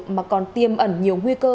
mà còn tiêm ẩn nhiều nguy cơ